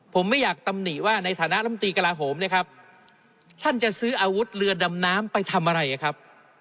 ผมไม่อยากตำหนิว่าในฐานะลำตีกระลาโหมเนี่ยครับท่านจะซื้ออาวุธเรือดำน้ำไปทำอะไรครับ